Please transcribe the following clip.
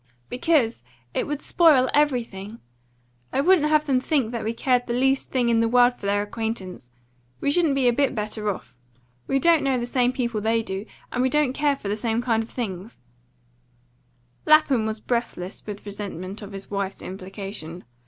"Because it would spoil everything. I wouldn't have them think we cared the least thing in the world for their acquaintance. We shouldn't be a bit better off. We don't know the same people they do, and we don't care for the same kind of things." Lapham was breathless with resentment of his wife's implication.